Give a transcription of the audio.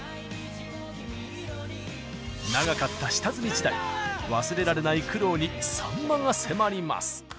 長かった下積み時代忘れられない苦労にさんまが迫ります。